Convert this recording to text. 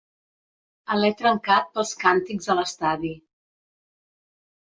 Alè trencat pels càntics a l'estadi.